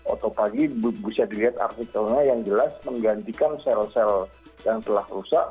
atau pagi bisa dilihat artikelnya yang jelas menggantikan sel sel yang telah rusak